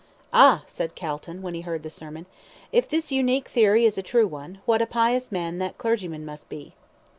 "Ah," said Calton, when he heard the sermon, "if this unique theory is a true one, what a truly pious man that clergyman must be!"